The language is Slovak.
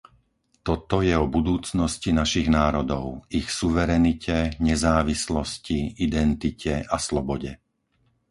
Toto je o budúcnosti našich národov, ich suverenite, nezávislosti, identite a slobode.